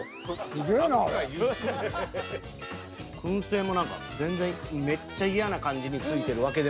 燻製も何か全然めっちゃ嫌な感じに付いてるわけでもなく。